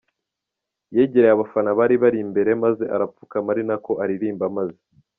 yegerereye abafana bari bari imbere maze arapfukama ari nako aririmba maze.